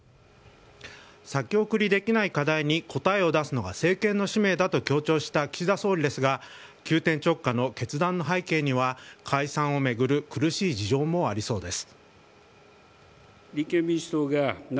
先送りできない課題に答えを出すのが政権の使命だと強調した岸田総理ですが急転直下の決断の背景には解散を巡る苦しい事情もありそうです。